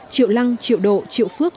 triệu lăng triệu độ triệu phước